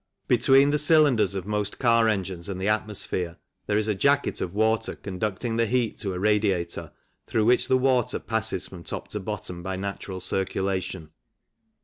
Between the cylinders of most car engines and the atmosphere there is a jacket of water conducting the heat to a radiator, through which the water passes from top to bottom by natural circulation.